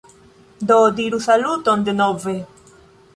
Do diru saluton denove